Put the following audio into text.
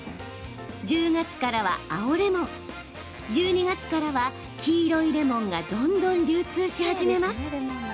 １０月からは青レモン１２月からは黄色いレモンがどんどん流通し始めます。